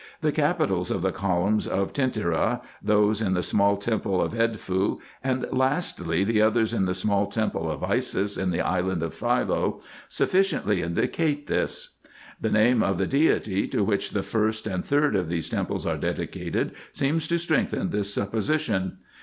The capitals of the columns IN EGYPT, NUBIA, &c. 179 of Tentyra, those in the small temple of Edfu, and, lastly, the others in the small temple of Isis, in the island of Philce, sufficiently indicate this. The name of the deity, to which the first and third of these temples are dedicated, seems to strengthen this supposition.